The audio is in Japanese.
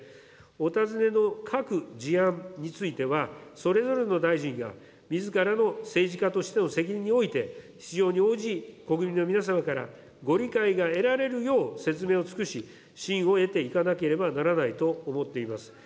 お尋ねの各事案については、それぞれの大臣がみずからの政治家としての責任において、必要に応じ、国民の皆様からご理解が得られるよう説明を尽くし、信を得ていかなければいけないと思っています。